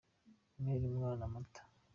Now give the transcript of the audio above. Umpere umwana amata.